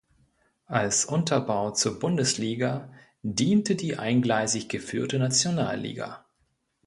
Als Unterbau zur "Bundesliga" diente die eingleisig geführte Nationalliga.